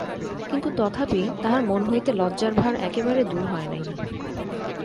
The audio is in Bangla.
কিন্তু তথাপি তাঁহার মন হইতে লজ্জার ভার একেবারে দূর হয় নাই।